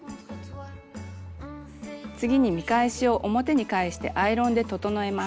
次に見返しを表に返してアイロンで整えます。